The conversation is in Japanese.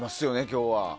今日は。